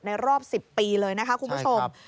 รอบ๑๐ปีเลยนะคะคุณผู้ชม